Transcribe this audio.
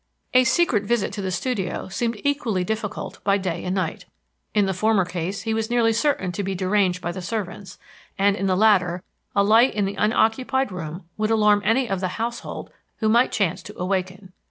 A secret visit to the studio seemed equally difficult by day and night. In the former case he was nearly certain to be deranged by the servants, and in the latter a light in the unoccupied room would alarm any of the household who might chance to awaken.